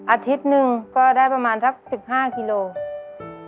อาทิตย์หนึ่งก็ได้ประมาณถึง๑๕กิโลละ